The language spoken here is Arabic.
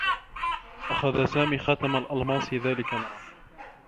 أخذ سامي خاتم الألماس ذاك معه.